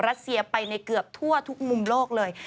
รัสเซียไปในเกือบทั่วทุกมุมโลกเลย